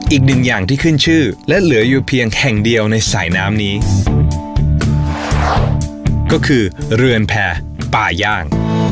อย่างที่ขึ้นชื่อและเหลืออยู่เพียงแห่งเดียวในสายน้ำนี้ก็คือเรือนแพรป่าย่าง